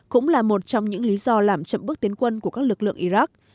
cũng là một trong những lý do làm chậm bước tiến quân của các lực lượng iraq